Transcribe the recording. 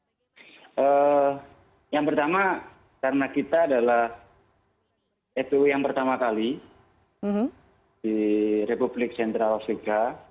oke yang pertama karena kita adalah fpu yang pertama kali di republik sentral afrika